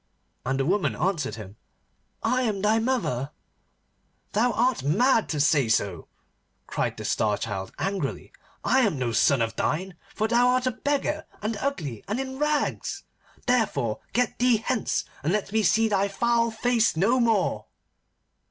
And the woman answered him, 'I am thy mother.' 'Thou art mad to say so,' cried the Star Child angrily. 'I am no son of thine, for thou art a beggar, and ugly, and in rags. Therefore get thee hence, and let me see thy foul face no more.